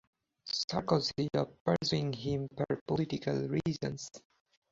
Sarkozy of pursuing him for political reasons.